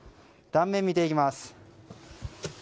断面を見ていきます。